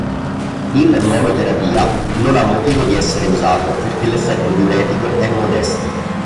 In monoterapia non ha motivo di essere usato perché l'effetto diuretico è modesto.